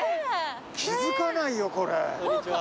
気付かないよこれ。